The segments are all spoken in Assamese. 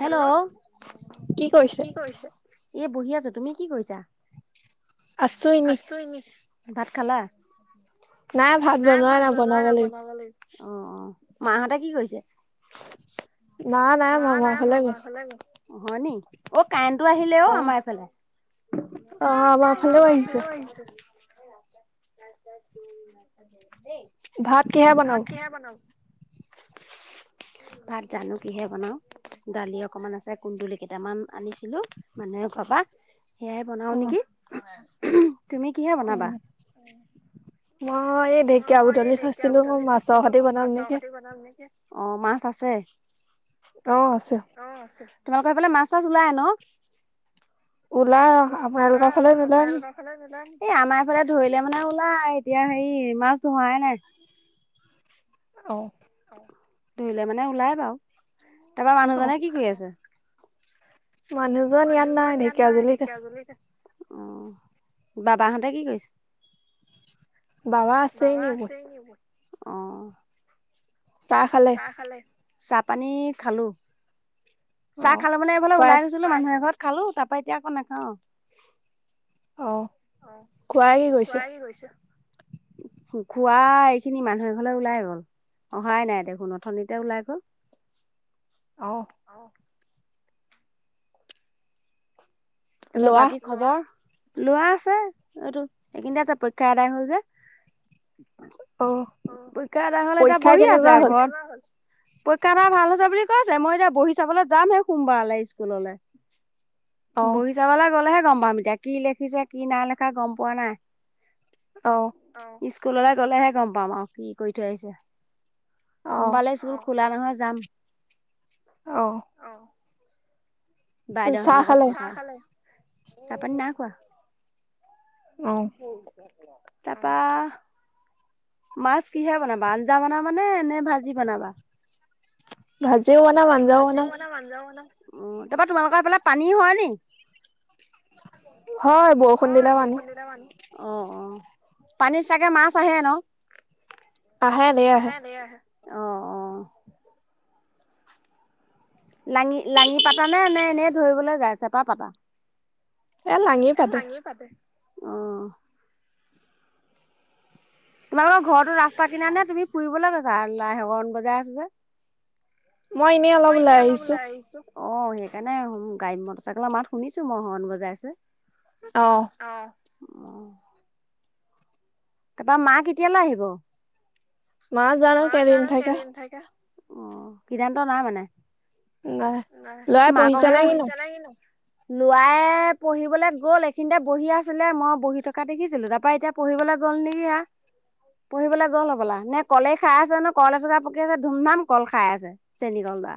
হেল্ল, কি কৰিছে? এ, বহি আছো তুমি কি কৰিছা? আছো এনে। আছো এনেই, ভাত খালা? নাই ভাত বনোৱাাই নাই বনাব লাগিব। অঁ অঁ মাহঁতে কি কৰিছে? মা না মা নাই মামা ঘৰলে গ'ল। অ হয়নি? অ, কাৰেণ্টো আহিলে অ' আমাৰ এইফালে। অঁ, আমাৰ ফালেও আহিছে। [inaudible] দেই ভাত কিহে ভাত বনাব? কিহে বনাব? ভাত জানো কিহে বনাও। দালি অকমান আছে, কুন্দুলি কেইটামান আনিছিলো মানুহ এঘৰৰ পা সেয়াই বনাও অ নেকি? তুমি কিহে বনাবা উম। মই এই ঢেকীয়া বুটলি থৈছিলো, মই মাছৰ হতি বনাম নেকি। অঁ, মাছ আছে। অঁ, আছে। অঁ, আছে। তোমালোকৰ এইফালে মাছ চাছ ওলাই ন। ওলাই, আপোনালোকৰ ফালে নোলোৱাই নি? ফালে নোলোৱাই নি, এই আমাৰ এইফালে ধৰিলে মানে ওলাই, এতিয়া হেৰি মাছ ধৰাই নাই। অঁ। ধৰিলে মানে ওলাই বাৰু, তাৰপা অ মানুহজনে কি কৰি আছে? মানুহজন ইয়াত নাই, ঢেকীয়াজুলিত আছে। অঁ, বাবাহঁতে কি কৰিছে? বাবা আছেই নি মোৰ। অঁ। চাহ খালে? খালে, চাহ পানী খালো। অ চাহ খালো মানে এইফালে ওলাই খুৱাই আহিছো। সেইফালে মানুহ এঘৰত খালো তাপা এতিয়া আকৌ নাখাওঁ। অ। অ, খুৱাই কি কৰিছে? খুৰাই কি কৰিছে? খোড়া এইখিনি মানুহ এঘলৈ ওলাই গ'ল। অহাই নাই দেখোন ওথনিতে ওলাই গ'ল। অ। তাৰপৰা ল'ৰা? বাকী খবৰ, লোৱা আছে এইটো সেইখিনতে আছে পৰীক্ষা আদায় হল যে। অ, পৰীক্ষা আডাই হলে এতিয়া পৰীক্ষা বহি আছে কেনেকুৱা আৰু হ'ল? ঘৰত। পৰীক্ষা এতিয়া ভাল হৈছে বুলি কৈছে, মই এতিয়া বহি চাবলৈ যামহে সোমবাৰলে স্কুললে। অ বহি চাবলে গ'লেহে গম পাম, এতিয়া কি লিখিছে কি না লেখা গম পোৱা নাই। অ। অঁ, স্কুললে গ'লেহে গম পাম আও, কি কৰি থৈ আহিছে। অ সোমবালে স্কুল খোলা নহয় যাম। অ' বাইদেউ হতৰ চাহ লগত খালে কথা চাহ খালে চাহ পানী নাই খোৱা। আহ' তাৰপা মাছ কিহে বনাবা আঞ্জা বনাবা নে নে ভাজি বনাবা। ভাজিও বনাও আঞ্জাও বনাম। আঞ্জাও বনাম অ' তাৰাপা তোমালোকৰ এইফালে পানী হয় নি- হয় বৰষুণ দিলে পানী। কেইটা মান অ' অ' পানীত চাগে মাছ আহে ন। আহে ধেৰ আহে। অ' লাঙি লাঙি পাতা নে নে এনেই ধৰিবলৈ যাই। চেপা পাতা এ লাঙি পাতে, অ' তোমালোকৰ ঘৰতো ৰাস্তা কিনাত নে তুমি ফুৰিবলৈ গৈছা। লাহ হৰন বজাই আছে যে। মই এনেই অলপ ওলাই আহিছোঁ। অ' সেইকাৰণে গাড়ী মটৰ চাইকেলৰ মাত শুনিছোঁ মই হৰণ বজাই আছে। অ' [unintelligible] তাৰপৰা মা কেতিয়ালৈ আহিব। মা জানো কেইদিন থাকে। [unintelligible] অ সিদ্ধান্ত নাই মানে নাই লৰাই মাকৰ পঢ়িছে নে বোলে কিনো ল'ৰাই পঢ়িবলৈ গ'ল এইখিনিতে বহি আছিলে মই বহি থকা দেখিছিলো তাৰ পৰা এতিয়া পঢ়িবলৈ গ'ল নেকি এয়া পঢ়িবলৈ গ'ল হ'বলা নে কলেই খাই আছে নো কল এটুকাৰা পকি আছে ধুম ধাম কল খাই আছে চেনিকল এটা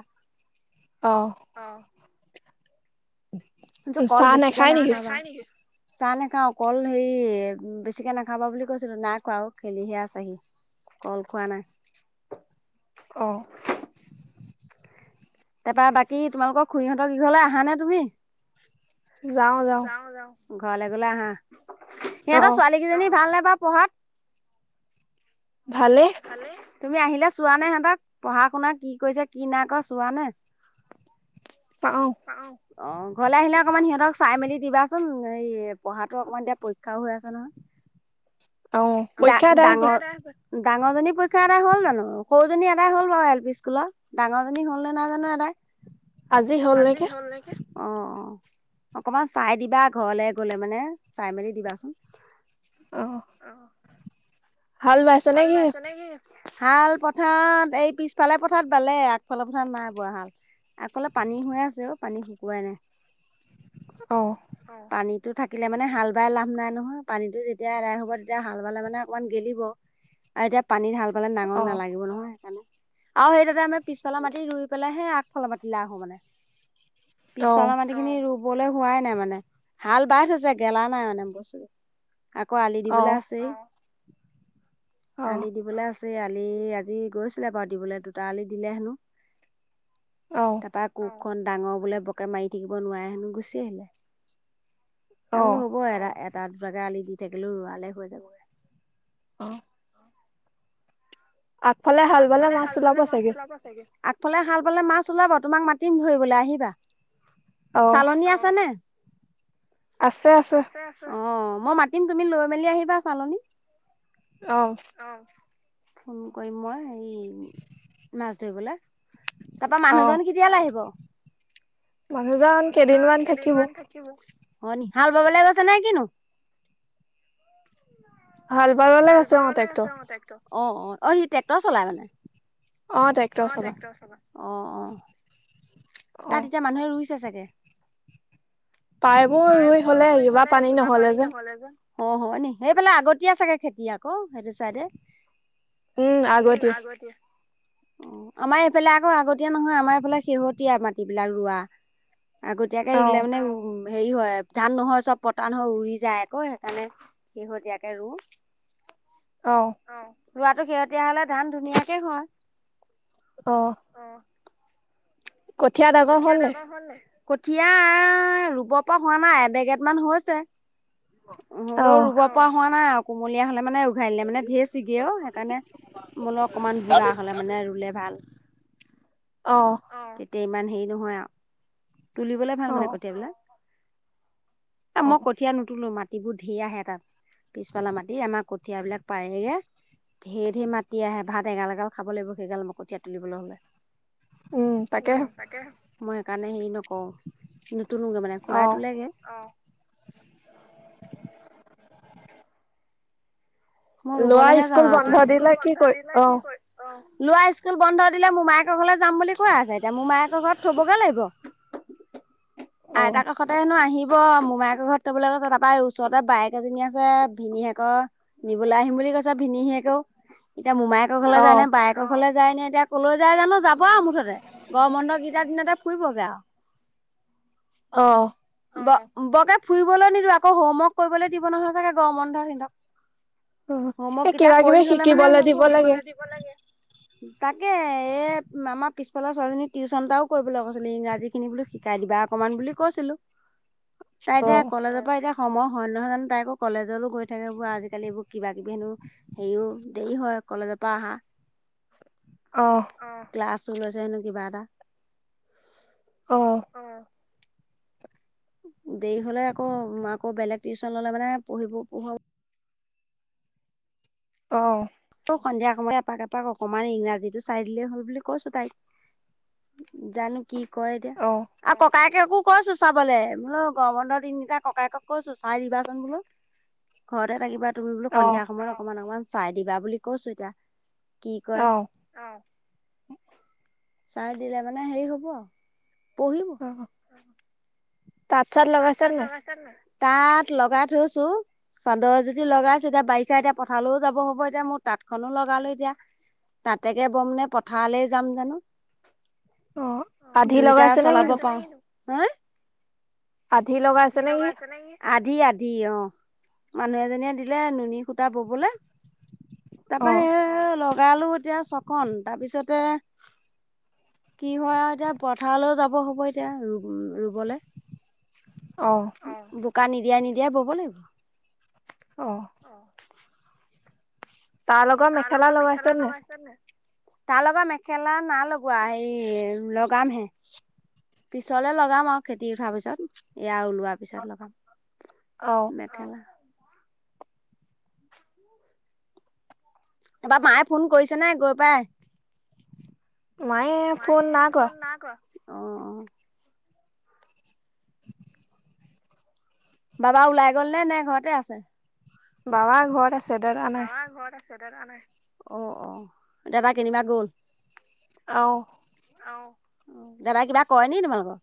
অঁ অ কিন্তু কল চাহ বেছিকে নাখায় নেকি নাখাবা চাহ নাখাও কল হেৰি বেছিকে নাখাবা বুলি কৈছিলো খোৱাও খেলিহে আছাহি কল খোৱা নাই অ তাৰ পৰাৰা বাকী তোমালোকৰ খুৰিহঁতৰ কিঘৰলে আহা নে তুমি যাও যাও ঘৰলৈ গ'লে আহা অ সিহঁতৰ ছোৱালী কেইজনী ভাল ন বাৰু পঢ়াত ভালে তুমি আহিলে চোৱা নে হেহঁতক পঢ়া শুনা কি কৰিছে কি নাই কৰা চোৱা নে পাওঁ চাও অঁ ঘৰলৈ আহিলে অকণমান সিহঁতক চাই মেলি দিবাচোন এই পঢ়াটো অকণমান এতিয়া পৰীক্ষাও হৈ আছে নহয় অ ডা পৰীক্ষা আদায় হ'লে ডাঙৰ ডাঙৰজনী পৰীক্ষা আদায় হ'ল জানো সৰুজনী আদায় হ'ল বাৰু এল পি স্কুলৰ ডাঙৰজনী হ'ল নে নাই জানো আদায় আজি হ'ল নেকি অ', অ', অকমান চাই দিবা ঘৰলে গ'লে মানে চাই মেলি দিবাচোন। অ'। হাল বাইছে নে কি? হাল পথাৰতে এই পিছফালে পথাৰত আগফালে পথাৰত নাই বোৱা হাল। আগফালে পানী হৈ আছে অ', পানী শুকুৱাই নাই। অ'। পানীতটো থাকিলে মানে হাল বাই লাভ নাই নহয়, পানীটো যেতিয়া এদাই হ'ব তেতিয়া হাল বালে মানে অকনমান গেলিব। আৰু এতিয়া পানীত হাল বালে অ নাঙল নালাগিব নহয় সেইকাৰণে। আৰু সেই তাতে আমি পিছফালৰ মাটি ৰুই পেলাই হে আগফালৰ মাতি লৈ আহো মানে, অ পিছফালৰ মাটি সেইখিনি ৰুবলৈ হোৱাই নাই মানে হাল বাই থৈছে গেলা নাই মানে বস্তুটো। আকৌ আলি অ দিবলৈ আছেই। আলি অ দিবলৈ আছেই আলি আজি গৈছিলে বাৰু দিবলৈ দুটা আলি দিলে হেনো। অ'। এটাই কুৰখন ডাঙৰ বোলে বৰ কে মাৰি থাকিব নোৱাৰে হেনো গুচি আহিলে। তাৰ অ বোলো হ'ব এ এটা দুটা কে আলি দি থাকিলেও ৰোৱালে হৈ যাব। অ'। আগফালে হাল বালে মাছ ওলাব চাগে? [unintelligible] চাগে? আগফালে হালবালে মাছ ওলাব তোমাক মাতিম ধৰিবলৈ আহিবা। অ চালনী আছে নে? আছে আছে, অ', মই মাতিম তুমি লৈ মেলি আহিবা চালনী। অ'। অ', ফোন কৰিম মই হেৰি মাছ ধৰিবলে। তাৰ পৰা মানুহ অ', জন কেতিয়ালে আহিব? মানুহজন মানুহ জন কেইদিনমান থাকিব কেইদিনমান অ', নি হাল বাবলৈ গৈছে নে কিনো? হাল বাব লৈ গৈছে অ', ট্ৰেক্টৰ। অ', অ', অ', সি ট্ৰেক্টৰ চলাই মানে? ট্ৰেক্টৰ অ', চলা অ', অ', তাত অ', এতিয়া মানুহে ৰুইছে চাগে? পায়বোৰ ৰুই হ'লে ইবাৰ পানী নহ'লে যে। অ', হয় নি সেইফালে আগতীয়া চাগে খেতি আকৌ সেইটো চাইডে। উম, আগতিয়া। অ', আমাৰ এইফালে আক আগীয়া নহয়, আমাৰ এইফালে শেহতীয়া মাটিবিলাক ৰোৱা। আগতীয়াকে ৰুলে অ', মানে উ হেৰি হয়, ধান নহয় চব পতান হয় উৰি যায় আকৌ সেইকাৰণে শেহতীয়াকে ৰু। অ'। অ', ৰুৱাটো শেহতীয়া হ'লে ধান ধুনীয়াকে হয়। অ'। কঠীয়া ডাঙৰ হ'লনে নাই? হ'ল নাই? কঠিয় ৰুব পৰা হোৱা নাই, এবেগেত মান হৈছে। হ'লেও অ', ৰুব পৰা হোৱা নাই আৰু কুমলীয়া হ'লে মানে ঘূৰাই দিলে মানে ধেৰ চিগে অ', সেইকাৰণে মই বোলো অকমান বুঢ়া হ'লে মানে ৰুলে ভাল। অ'। তেতিয়া ইমান হেৰি নহয় আৰু তুলিবলে ভাল মানে অ', কঠিয়াবিলাক। এ মই অ', কঠীয়া নুতুলো মাত এইবোৰ ধেৰ আহে তাত পিছফালৰ মাটি আমাৰ কঠিয়া বিলাক পাৰি দিয়ে ধেৰ ধেৰ মাতি আহে ভাত এগাল এগাল খাব লাগিব সেইগাল মই কঠীয়া তুলিবলৈ হ'লে উম তাকে মই সেইকাৰণে হেৰি নকৰো, নোতুলোগে মানে খুৰাই অ', তোলেগে [inaudible] মই ল'ৰা ৰুবলৈহে যাওঁ স্কুল আও বন্ধ তোক দিলে কি কৰি অ', ল'ৰা স্কুল বন্ধ দিলে মোমায়েকৰ ঘৰলৈ যাম বুলি কৈ আছে এতিয়া মোমায়েকৰ ঘৰত থবগে লাগিব অ', আইতাকৰ সতে হেনে আহিব মোমাইয়েকৰ ঘৰত থবলৈ গৈছে তাৰপৰা ওচৰতে বায়েক এজনী আছে ভিনীহিয়েকৰ নিবলৈ আহিম বুলি কৈছ ভিনিহিয়েকেও এতিয়া মোমায়েকৰ ঘৰলৈ যায় অ', নে বায়েক কৰ ঘৰলে যায় নে এতিয়া কলৈ যায় জানো যাব আৰু মুঠতে গৰম বন্ধ কিটাৰ দিনতে ফুৰিবগে আৰু অ' ব বকে ফুৰিবলৈ নিদিও আকৌ হোমৱৰ্ক কৰিবলৈ দিব নহয় চাগে গৰম বন্ধত সিহঁতক উ হোমৱৰ্ক এ কেইটা কিবা কিবি কৰি হলে মানে শিকিবলৈ দিব যাব লাগে তাকে এ আমাৰ পিছফালৰ ছোৱালীজনীক টিউশন এটাও কৰিবলৈ কৈছিলো ইংৰাজী খিনি বোলো শিক কাই দিবা অকমান বুলি কৈছিলো তাই এতিয়া অ', কলেজৰ পৰা এতিয়া সময় হয় নহয় জানো তাই আক কলেজলৈ গৈ থাকে এবোৰ আজিকালি এইবোৰ কিবা কিবি হেনো [unintelligible] দেৰি হয় কলেজৰ পৰা আহা অ ক্লাছো লৈছে হেনো কিবা এটা অ দেৰি হলে আকৌ মই আকৌ বেলেগ টিউচন‌ ললে মানে পঢ়িব পঢ়োৱা অ অ সন্ধিয়া সময়ত এপাক এপাক অকনমান ইংৰাজীটো চাই দিলেই হ'ল বুলি কৈছো তাইক জানো কি কৰে অ', এতিয়া আৰু ককায়েকেকো কৈছো চাবলৈ বোলো গৰম বন্ধৰ দিনকিটা ককায়েকক কৈছোঁ চাই দিবাচোন ঘৰতে থাকিবা তুমি বোলো অ', সন্ধিয়া সময়ত অকমান অকমান চাই দিবা বুলি কৈছো এতিয়া কি কয়। চাই দিলে মানে হেৰি হব আৰু পঢ়িব। অ' তাঁত তাত লগাইছে চাত নাই? লগাইছ নাই। তাত লগাই থৈছোঁ। চাদৰ এযুতি লগাইছো। এতিয়া বাৰিষা এতিয়া পথাৰলৈও যাব হ'ব এতিয়া মোৰ তাঁতখনো লগালো এতিয়া, তাতেকে বম নে পথাৰলৈ যাম জানোঁ। অ' আধি দুইটা লগাইছে নে চলাব কিনো? পাৰো হাঁ আধি লগাইছে নেকি আধি আধি অ' মানুহ এজনীয়ে দিলে ননী সূতা ববলৈ- তাৰপা অ' সেই লগালো এতিয়া ছখন তাৰপিছতে- কি হয় আৰু এতিয়া পথাৰলৈও যাব হ'ব এতিয়া ৰুবলৈ। অ বোকা নিদিয়াই নিদিয়াই বব লাগিব। অ' তাৰ লগত মেখেলা লগাইছে নাই। তাৰ লগৰ মেখেলা নাই লগোৱা লগাম হে। পিছলে লগাম আৰু খেতি উঠাৰ পিছত এয়া ওলোৱাৰ পিছত অ' লগাম মেখেলা- এবাৰ মায়ে ফোন কৰিছে নে গৈ পাই। মায়ে ফোন নাই কৰা। নাই কৰা, অ'। [unintelligible] বাবা ওলাই গ'ল নে, নে ঘৰতে আছে? বাবা ঘৰত আছে, দাদা নাই। অ', অ', দাবা কেনিবা গ'ল? অ'। দাদা কিবা কৰে নেকি তোমালোকৰ?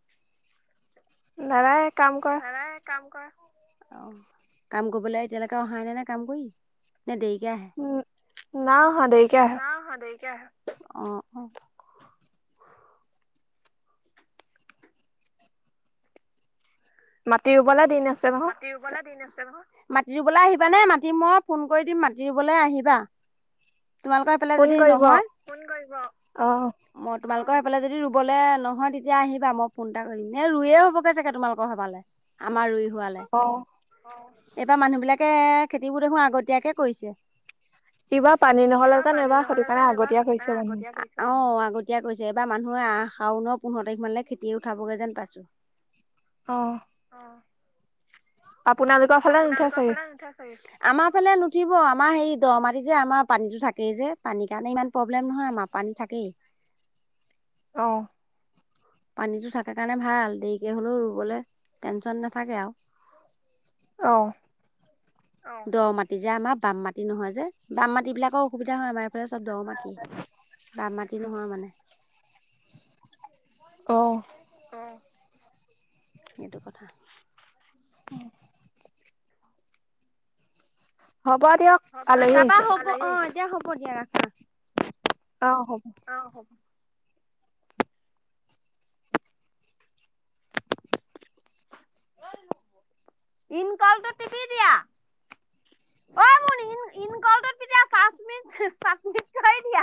দাদাই কাম কৰে। অ', কাম কৰিবলৈ এতিয়ালৈকে অহাই নাই নেকি কাম কৰি। ন দেৰিকে উম নাই আহে, অহা দেৰিকে আহে নাই অহা দেৰিকে আহে, অ' অ'। মাতি ৰুবলৈ দিন আছে। নহয়। মাটি ৰুবলৈ আহিবা নে, মাতি, মই ফোন কৰি দিম মাটি ৰুবলৈ আহিবা। তোমালোকৰ সেইফালে ফোন যদি কৰিব নহয়, ফোন অ' কৰিব মই তোমালোকৰ সেইফালে যদি ৰুবলৈ নহয়, তেতিয়া আহিবা মই ফোন এটা কৰিম নে ৰুৱে হ'বগে চাগৈ তোমালোকৰ সেইফালে। আমাৰ ৰুই ৰুৱালে, অ' এইবাৰ মানুহ বিলাকে খেতিবোৰ দেখোন আগতিয়াকে কৰিছে। এইবাৰ পানী নহ'লে যেন এবাৰ সেইটো কাৰণে আগতীয়া কৰিছে মানুহ। অ' আগতীয়া কৰিছে, এবাৰ মানুহে আহ শাওঁনৰ পোন্ধৰ তাৰিখ মানলৈ খেতি উঠাবগৈ যেন পাইছোঁ। অ'। অ'। আপোনালোকৰ ফালে নুঠে আপোনাৰলোকৰ চাগে? ফালে নোঠে চাগে। আমাৰ ফালে নুঠিব, আমাৰ হেই দ মাতি যে আমাৰ পানীতো থাকেই যে পানীৰ কাৰণে ইমান প্ৰব্লেম নহয় আমাৰ। পানী থাকেই। অ'। পানীতো থাকা কাৰণে ভাল, দেৰিকে হলেওঁ ৰুবলৈ টেনচন নাথাকে আৰু। অ'। দ মাটি যে আমাৰ বাম মাটি নহয় যে, বাম মাটি বিলাকৰ অসুবিধা হয়, আমাৰ এইফালে চব দ মাটি। বাম মাটি নহয় মানে। অ'। উম। এইটো কথা। হ'ব দিয়ক। আলহী যাবা আহিছে। হ'ব, অ' এতিয়া হ'ব দিয়া ৰাখো। অ', হ'ব। অ', হব। ইন কলটো টিপি দিয়া। অ', মোৰ ইনকলটো তেতিয়া চাচ মিছ, চাচ মিছ কৰি দিয়া।